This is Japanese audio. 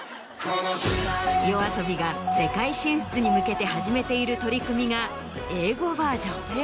ＹＯＡＳＯＢＩが世界進出に向けて始めている取り組みが英語バージョン。